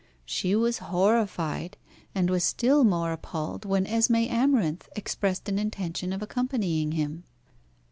She was horrified, and was still more appalled when Esmé Amarinth expressed an intention of accompanying him.